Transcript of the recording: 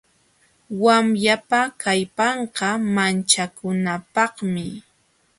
Wawyapa kallpanqa manchakunapaqmi.